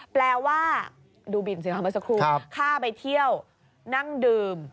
แปลว่าดูบินเสียงมาสักครู่ค่าไปเที่ยวนั่งดื่ม